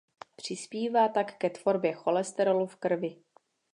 Přispívá tak ke tvorbě cholesterolu v krvi.